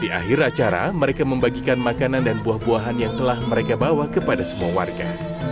di akhir acara mereka membagikan makanan dan buah buahan yang telah mereka bawa kepada semua warga